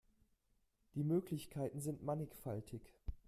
Die Möglichkeiten sind mannigfaltig.